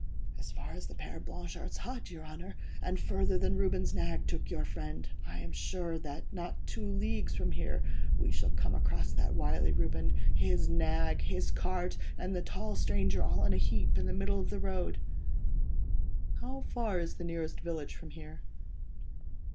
"As far as the Père Blanchard's hut, your Honour, and further than Reuben's nag took your friend. I am sure that, not two leagues from here, we shall come across that wily Reuben, his nag, his cart and the tall stranger all in a heap in the middle of the road." "How far is the nearest village from here?"